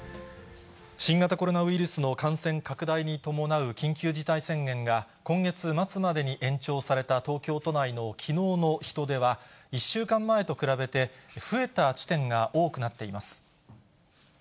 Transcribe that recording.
新型コロナウイルスの感染拡大に伴う緊急事態宣言が、今月末までに延長された東京都内のきのうの人出は、１週間前と比べて、増えた地点が多くなっています。